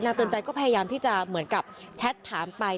เตือนใจก็พยายามที่จะเหมือนกับแชทถามไป